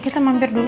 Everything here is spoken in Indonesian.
kita mampir dulu